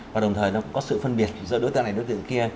và đồng thời nó cũng có sự phân biệt giữa đối tượng này đối tượng kia